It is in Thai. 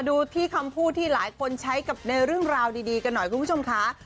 ถือว่ามันแบบหนึ่งจุดจริงนะคะ